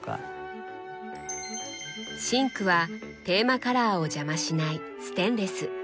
シンクはテーマカラーを邪魔しないステンレス。